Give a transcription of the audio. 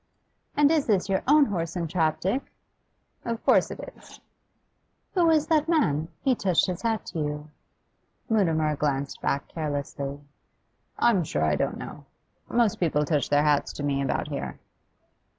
And is this your own horse and trap, Dick?' 'Of course it is.' 'Who was that man? He touched his hat to you.' Mutimer glanced back carelessly. 'I'm sure I don't know. Most people touch their hats to me about here.